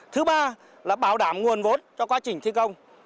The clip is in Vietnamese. thứ ba là bảo đảm nguồn vốn cho quá trình thi công